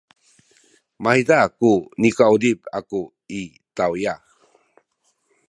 mahiza ku nikauzip aku i tawya.